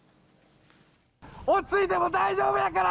落ち着いて、もう大丈夫やから。